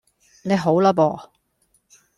你好啦播